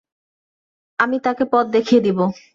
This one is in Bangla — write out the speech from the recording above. আমি তাকে পথ দেখিয়ে দিব।